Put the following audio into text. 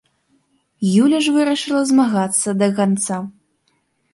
Юля ж вырашыла змагацца да канца.